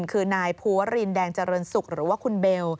คือนายภูวรินแดงเจริญศุกร์หรือว่าคุณเบล